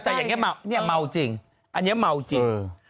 แต่อย่างเงี้ยเมาเนี้ยเมาจริงอันเนี้ยเมาจริง